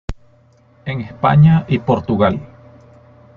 En España y Portugal.